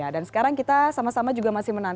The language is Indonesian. dan sekarang kita sama sama juga masih menantang